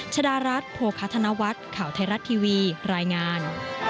ชดารัฐโภคธนวัฒน์ข่าวไทยรัฐทีวีรายงาน